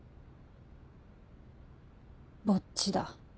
ぼっちだ。